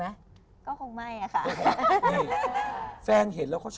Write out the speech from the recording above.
แฟนเห็นชอบไหมก็รบเลย